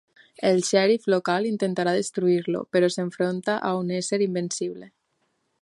El xèrif local intentarà destruir-lo, però s'enfronta a un ésser invencible.